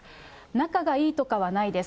仲がいいとかはないです。